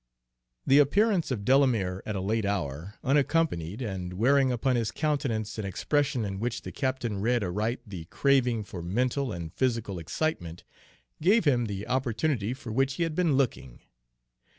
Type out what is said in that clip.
The appearance of Delamere at a late hour, unaccompanied, and wearing upon his countenance an expression in which the captain read aright the craving for mental and physical excitement, gave him the opportunity for which he had been looking.